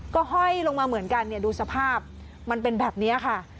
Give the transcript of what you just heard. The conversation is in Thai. ก็ห้อยลงมาเหมือนกันเนี่ยดูสภาพมันเป็นแบบนี้ค่ะ